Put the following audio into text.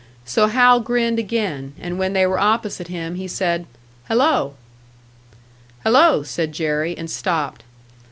So Hal grinned again, and when they were opposite him, he said, "Hello." "Hello," said Jerry, and stopped.